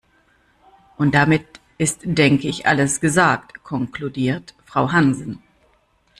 "Und damit ist denke ich alles gesagt", konkludiert Frau Hansen.